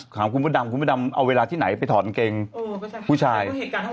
ถามคุณพระดำคุณพระดำเอาเวลาที่ไหนไปถอดกางเกงผู้ชาย